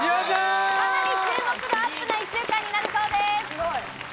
かなり注目度アップな一週間になりそうです。